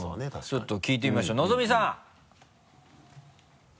ちょっと聞いてみましょうのぞみさん！